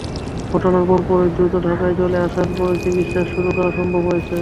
ঘটনার পরপরই দ্রুত ঢাকায় চলে আসার ফলে চিকিৎসা শুরু করা সম্ভব হয়েছে।